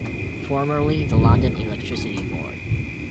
Formerly the London Electricity Board.